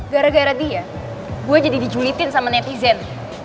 gara gara dia gue jadi dijulitin sama netizen